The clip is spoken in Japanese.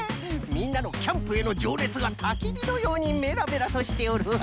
みんなのキャンプへのじょうねつがたきびのようにメラメラとしておるわ。